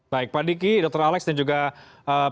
baik pak diki dr alex dan juga pak